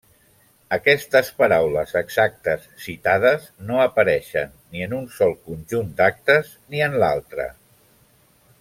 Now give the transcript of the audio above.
Aquestes paraules exactes citades no apareixen ni en un sol conjunt d'actes ni en l'altre.